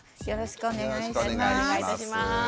よろしくお願いします。